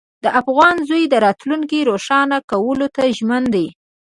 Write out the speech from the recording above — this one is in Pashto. د افغان زوی د راتلونکي روښانه کولو ته ژمن دی.